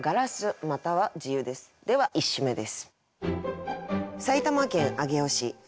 では１首目です。